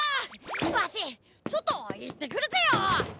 ワシちょっといってくるぜよ！